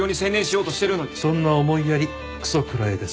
そんな思いやりクソ食らえです。